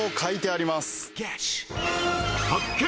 発見！